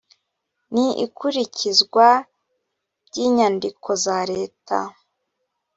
n ikurikizwa by inyandiko za leta